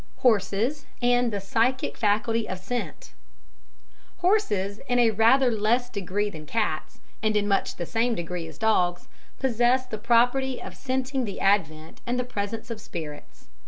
Horses and the Psychic Faculty of Scent Horses, in a rather less degree than cats, and in much the same degree as dogs, possess the property of scenting the advent and presence of spirits.